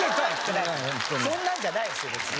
そんなんじゃないですよ別に。